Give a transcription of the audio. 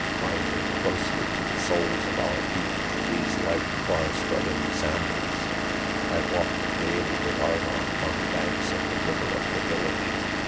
Binding closely to the souls of our feet, these light far spreading san dals, I walked daily withArvon, on. the banks of the river of the village.